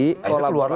keluar lagi biar ya